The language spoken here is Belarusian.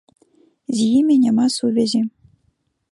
З імі няма сувязі.